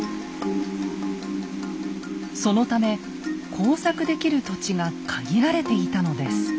そのため耕作できる土地が限られていたのです。